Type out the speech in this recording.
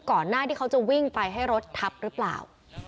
ก่อนหน้าที่เขาจะวิ่งไปให้รถทับหรือเปล่า